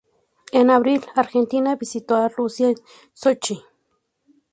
En abril, Argentina visitó a Rusia en Sochi.